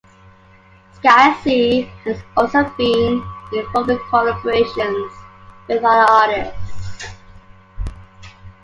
Skazi has also been involved in collaborations with other artists.